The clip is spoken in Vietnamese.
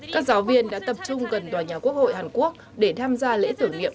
các giáo viên đã tập trung gần đòi nhà quốc hội hàn quốc để tham gia lễ tử nghiệm